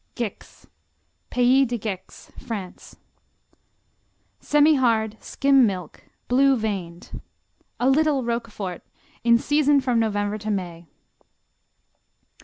Gex Pays de Gex, France Semihard; skim milk; blue veined. A "little" Roquefort in season from November to May.